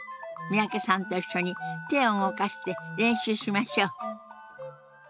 三宅さんと一緒に手を動かして練習しましょう。